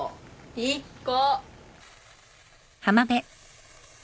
１個！